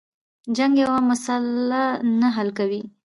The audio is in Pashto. جنگ یوه مسله نه حل کوي.